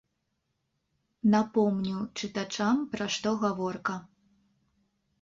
Напомню чытачам, пра што гаворка.